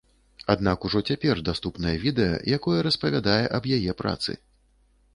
Аднак ужо цяпер даступнае відэа, якое распавядае аб яе працы.